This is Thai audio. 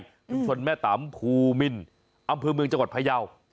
ชุมชนแม่ตำภูมินอำเภอเมืองจังหวัดพยาว